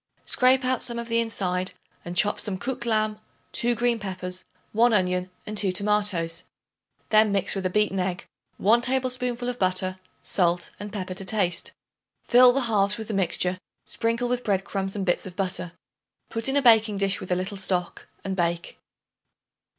Scrape out some of the inside and chop some cooked lamb, 2 green peppers, 1 onion, and 2 tomatoes. Then mix with a beaten egg, 1 tablespoonful of butter, salt and pepper to taste. Fill the halves with the mixture; sprinkle with bread crumbs and bits of butter. Put in a baking dish with a little stock and bake.